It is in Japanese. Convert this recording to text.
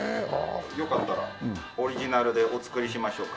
よかったらオリジナルでお作りしましょうか？